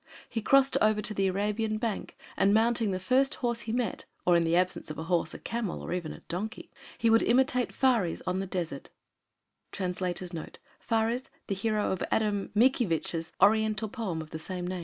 He crossed over to the Arabian bank and mounting the first horse he met, or in the absence of a horse, a camel, or even a donkey, he would imitate Farys* [* Farys, the hero of Adam Mickiewicz's Oriental poem of the same name.